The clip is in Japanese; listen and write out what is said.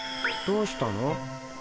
どうしたの？